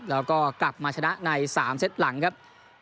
แล้วก็กลับมาชนะใน๓เซตหลังครับ